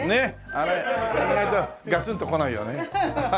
あれ意外とガツンとこないよね。